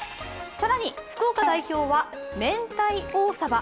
更に福岡代表は明太王鯖。